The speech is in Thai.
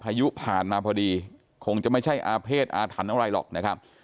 พายุผ่านมาพอดีคงจะไม่ใช่อาเภษอาถรรพ์อะไรหรอกนะครับ